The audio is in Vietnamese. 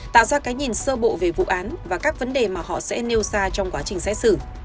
tạo ra cái nhìn sơ bộ về vụ án và các vấn đề mà họ sẽ nêu ra trong quá trình xét xử